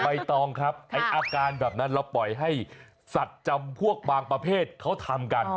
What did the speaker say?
ใบตองครับไอ้อาการแบบนั้นเราปล่อยให้สัตว์จำพวกบางประเภทเขาทำกัน